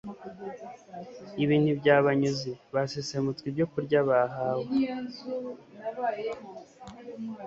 Ibi ntibyabanyuze. Basesemutswe ibyokurya bahawe,